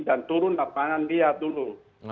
dan turun lapangan lihat dulu